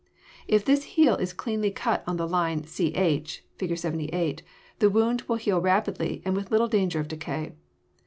If this heel is cleanly cut on the line ch (Fig. 78), the wound will heal rapidly and with little danger of decay.